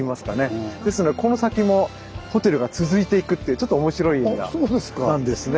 ですのでこの先もホテルが続いていくってちょっとおもしろいエリアなんですね。